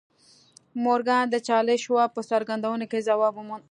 مورګان د چارلیس شواب په څرګندونو کې ځواب وموند